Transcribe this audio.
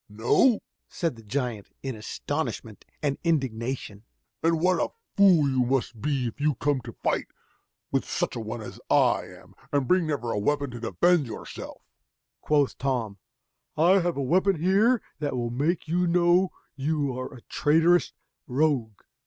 "No!" said the giant, in astonishment and indignation; "and what a fool you must be if you come to fight with such a one as I am, and bring never a weapon to defend yourself!" Quoth Tom, "I have a weapon here that will make you know you are a traitorous rogue."